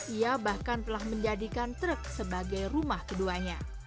ia bahkan telah menjadikan truk sebagai rumah keduanya